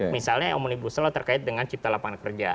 misalnya omnibus law terkait dengan cipta lapangan kerja